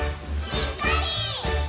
「にっこり」